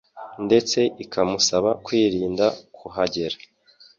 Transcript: ndetse ikamusaba kwirinda kuhagera.